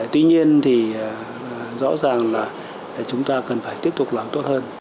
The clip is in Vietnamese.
tuy nhiên thì rõ ràng là chúng ta cần phải tiếp tục làm tốt hơn